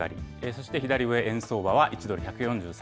そして左上、円相場は１ドル１４